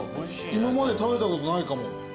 今まで食べたことないかも。